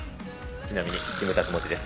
ちなみに、キムタク持ちです。